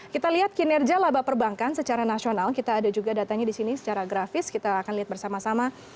kita lihat kinerja laba perbankan secara nasional kita ada juga datanya di sini secara grafis kita akan lihat bersama sama